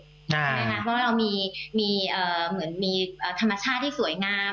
เพราะว่าเรามีธรรมชาติที่สวยงาม